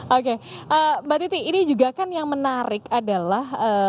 oke mbak titi ini juga kan yang menarik adalah